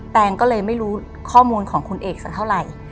แตงก็เลยไม่รู้ข้อมูลของคุณเอกสักเท่าไหร่